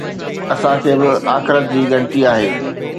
اسان کي به آخرت جي ڳڻتي آهي.